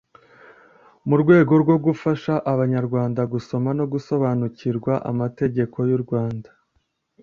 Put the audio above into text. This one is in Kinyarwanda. Mu rwego rwo gufasha Abanyarwanda gusoma no gusobanukirwa Amateka y’u Rwanda,